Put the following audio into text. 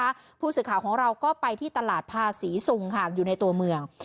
ผู้สื่อข่าวของเราก็ไปที่ตลาดภาษีซุงค่ะอยู่ในตัวเมือง